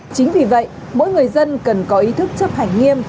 chính vì vậy mỗi người dân cần có ý thức chấp hành nghiêm